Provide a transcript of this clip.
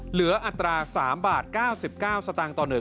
เหลืออัตรา๓บาท๙๙สตางค์ต่อ๑